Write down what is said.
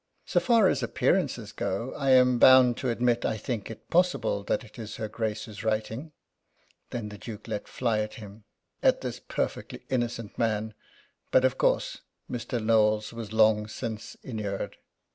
"So far as appearances go, I am bound to admit that I think it possible that it is her Grace's writing." Then the Duke let fly at him at this perfectly innocent man. But, of course, Mr. Knowles was long since inured.